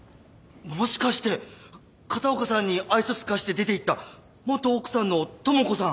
もしかして片岡さんに愛想尽かして出ていった元奥さんの智子さん？